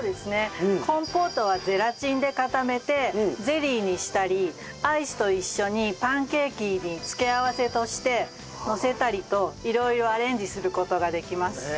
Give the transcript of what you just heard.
コンポートはゼラチンで固めてゼリーにしたりアイスと一緒にパンケーキに付け合わせとしてのせたりと色々アレンジする事ができます。